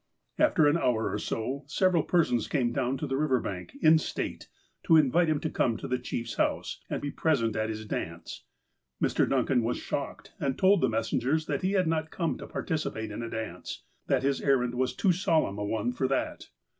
After an hour or so, several persons came down to the river bank, in state, to invite him to come to the chief's house, and be present at his dance. Mr. Duncan was shocked, and told the messengers that he had not come to participate in a dance. That his errand was too solemn a one for that.